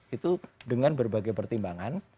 itu dengan berbagai pertimbangan